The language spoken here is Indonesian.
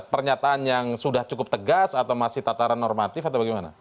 pernyataan yang sudah cukup tegas atau masih tataran normatif atau bagaimana